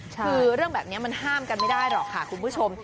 คือเรื่องแบบนี้มันห้ามกันไม่ได้หรอกค่ะคุณผู้ชม